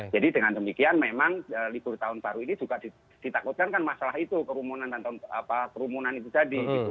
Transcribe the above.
jadi dengan demikian memang libur tahun baru ini juga ditakutkan kan masalah itu kerumunan itu jadi